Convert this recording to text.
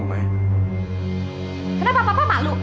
kenapa papa malu